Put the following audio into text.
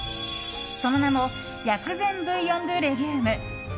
その名も薬膳ブイヨン・ドゥ・レギューム。